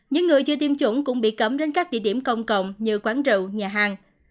những người chưa tiêm chủng cũng bị cấm đến các địa điểm công cộng như quán rượu nhà hàng